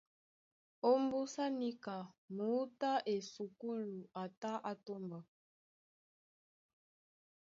Ómbúsá níka muútú á esukúlu a tá á tómba.